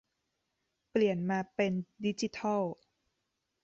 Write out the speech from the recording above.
เปลี่ยนมาเป็นดิจิทัล